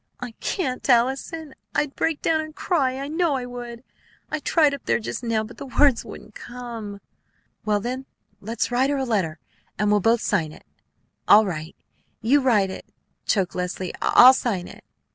"I can't, Allison; I'd break down and cry, I know I would. I tried up there just now, but the words wouldn't come." "Well, then, let's write her a letter! And we'll both sign it." "All right. You write it," choked Leslie. "I'll sign it."